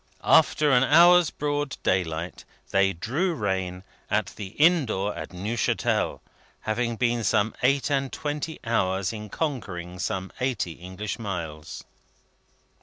After an hour's broad daylight, they drew rein at the inn door at Neuchatel, having been some eight and twenty hours in conquering some eighty English miles.